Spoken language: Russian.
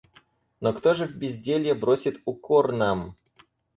Но кто же в безделье бросит укор нам?